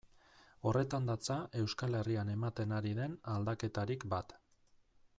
Horretan datza Euskal Herrian ematen ari den aldaketarik bat.